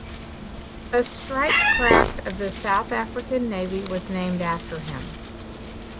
A Strike Craft of the South African Navy was named after him.